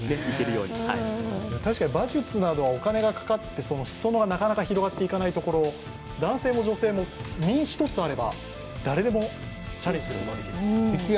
確かに馬術などはお金がかかって裾の尾がなかなか広がっていかないところ男性も女性も身一つあれば、誰でもチャレンジすることができる。